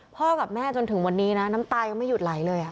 กับแม่จนถึงวันนี้นะน้ำตายังไม่หยุดไหลเลย